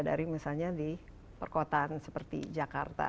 dari misalnya di perkotaan seperti jakarta